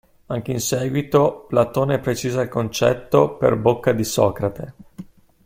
Anche in seguito, Platone precisa il concetto per bocca di Socrate.